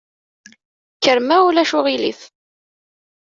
Kker ma ulac aɣilif.